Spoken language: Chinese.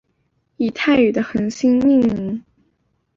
以泰语的恒星命名。